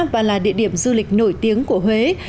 và là địa điểm du lịch nổi tiếng của huế